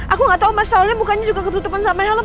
aku gatau mas soalnya mukanya juga ketutupan sama halam